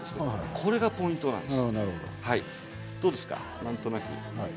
これがポイントなんです。